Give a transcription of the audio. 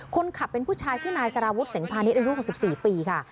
คนขับเป็นผู้ชายชื่อนายสารวุฒิเสงพาณิชย์อายุ๖๔ปีค่ะ